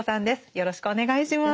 よろしくお願いします。